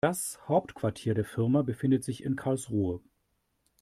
Das Hauptquartier der Firma befindet sich in Karlsruhe